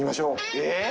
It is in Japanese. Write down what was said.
えっ？